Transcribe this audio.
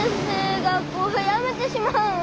学校辞めてしまうん？